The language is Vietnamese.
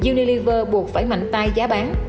unilever buộc phải mạnh tay giá bán